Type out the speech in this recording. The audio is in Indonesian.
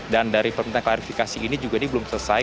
dan dari permintaan klarifikasi ini juga ini belum selesai